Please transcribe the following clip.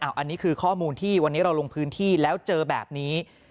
อันนี้คือข้อมูลที่วันนี้เราลงพื้นที่แล้วเจอแบบนี้